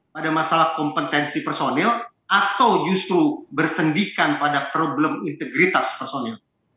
pada masalah kompetensi personil atau justru bersendikan pada problem integritas personil